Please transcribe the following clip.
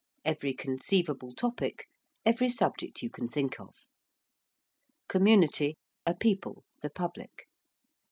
~every conceivable topic~: every subject you can think of. ~community~: a people, the public.